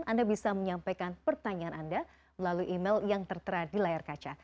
anda bisa menyampaikan pertanyaan anda melalui email yang tertera di layar kaca